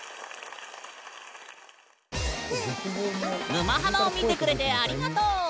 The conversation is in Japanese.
「沼ハマ」を見てくれてありがとう！